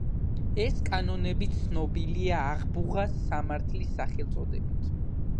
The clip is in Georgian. ეს კანონები ცნობილია „აღბუღას სამართლის სახელწოდებით“.